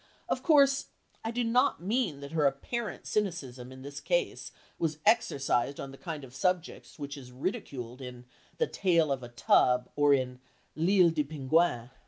Of course I do not mean that her apparent cynicism in this case was exercised on the kind of subjects which is ridiculed in The Tale of a Tub or in L'Ile des Pingouins.